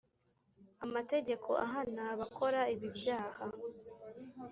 amategeko ahana abakora ibi byaha